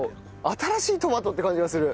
新しいトマトって感じがする。